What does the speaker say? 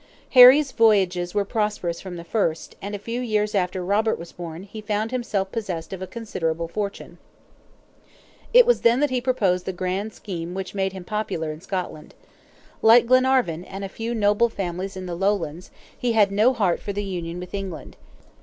Harry's voyages were prosperous from the first, and a few years after Robert was born, he found himself possessed of a considerable fortune. It was then that he projected the grand scheme which made him popular in Scotland. Like Glenarvan, and a few noble families in the Lowlands, he had no heart for the union with England.